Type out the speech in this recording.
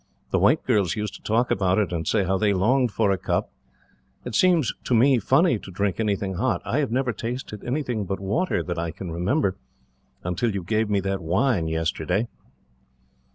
The white girls used to talk about it, and say how they longed for a cup. It seems, to me, funny to drink anything hot. I have never tasted anything but water, that I can remember, until you gave me that wine yesterday."